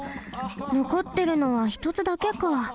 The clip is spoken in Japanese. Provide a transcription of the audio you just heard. のこってるのはひとつだけか。